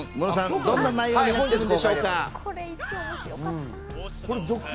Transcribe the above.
どんな内容になっているんでしょうか。